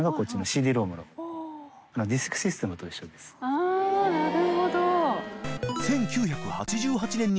あぁなるほど。